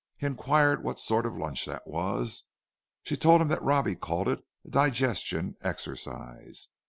He inquired what sort of a lunch that was; she told him that Robbie called it a "digestion exercise."